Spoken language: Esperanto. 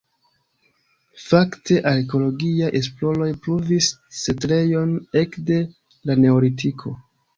Fakte arkeologiaj esploroj pruvis setlejon ekde la neolitiko.